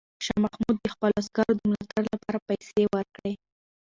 شاه محمود د خپلو عسکرو د ملاتړ لپاره پیسې ورکړې.